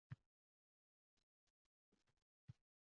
— bular «fermer»chiligimizning eng «yorqin» tomonlari.